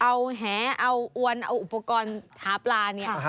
เอาแหเอาอวนเอาอุปกรณ์หาปลาเนี่ย